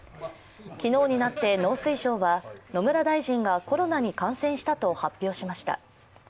昨日になって農水省は野村大臣がコロナに感染したと発表しました。